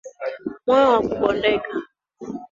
Moyo wa kubondeka.